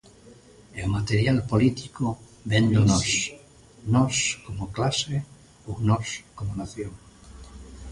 E o material político vén do nós, nós como clase ou nós como nación.